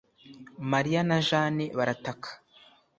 Mariya na Jane barataka